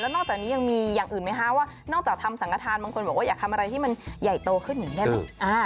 นอกจากนี้ยังมีอย่างอื่นไหมคะว่านอกจากทำสังฆฐานบางคนบอกว่าอยากทำอะไรที่มันใหญ่โตขึ้นอย่างนี้ได้เลย